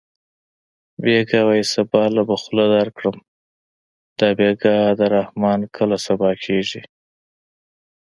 بېګا وایې سبا له به خوله درکړم دا بېګا د رحمان کله سبا کېږي